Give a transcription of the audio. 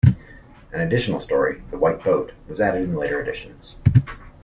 An additional story, "The White Boat", was added in later editions.